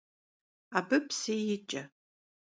Abı psı yiç'e.